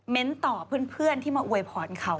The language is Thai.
ต่อเพื่อนที่มาอวยพรเขา